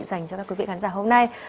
dành cho các quý vị khán giả hôm nay